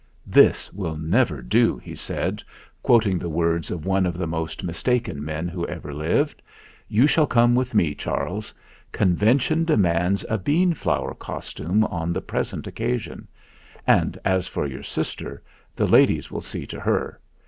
"This will never do," he said, quoting the words of one of the most mistaken men who ever lived. "You shall come with me, Charles. Convention demands a beanflower costume on the present occasion ; and as for your sister, the ladies will see to her.